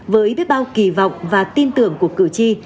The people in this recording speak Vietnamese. với biết bao kỳ vọng và tin tưởng của cử tri